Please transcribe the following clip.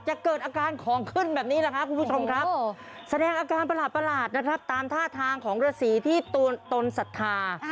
เกิดอาการของขึ้นแบบนี้แหละครับคุณผู้ชมครับแสดงอาการประหลาดนะครับตามท่าทางของฤษีที่ตนศรัทธา